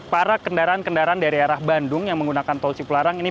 para kendaraan kendaraan dari arah bandung yang menggunakan tol cipularang ini